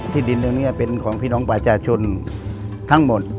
ดินตรงนี้เป็นของพี่น้องประชาชนทั้งหมด